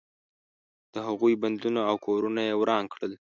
د هغوی بندونه او کورونه یې وران کړل.